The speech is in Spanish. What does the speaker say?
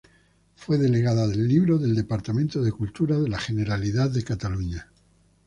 Fue Delegada del Libro del Departamento de Cultura de la Generalidad de Cataluña.